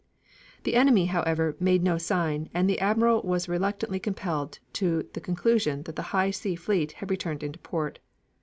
The enemy, however, made no sign, and the admiral was reluctantly compelled to the conclusion that the High Sea Fleet had returned into port.